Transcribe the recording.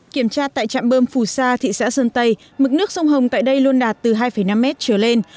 kiểm tra tại trạm bơm phù sa thị xã sơn tây mức nước sông hồng tại đây luôn đạt từ hai năm mét trở lên